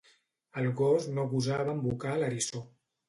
El gos no gosava embocar l'eriçó.